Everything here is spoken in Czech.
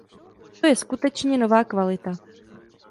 To je skutečně nová kvalita.